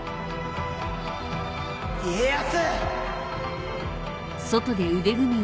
家康！